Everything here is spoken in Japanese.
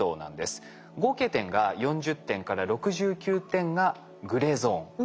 合計点が４０点から６９点がグレーゾーン。